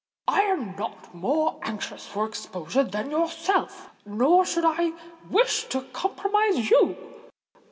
"I am not more anxious for exposure than yourself; nor should I wish to compromise you.